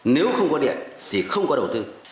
nếu không có điện thì không có đầu tư